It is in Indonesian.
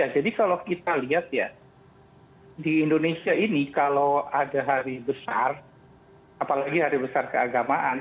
jadi kalau kita lihat ya di indonesia ini kalau ada hari besar apalagi hari besar keagamaan